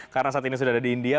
karena saat ini sudah ada di india